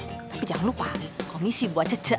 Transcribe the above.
eh tapi jangan lupa komisi buat cece